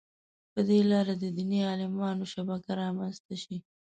په دې لاره د دیني عالمانو شبکه رامنځته شي.